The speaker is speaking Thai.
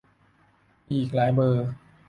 มีอีกหลายเบอร์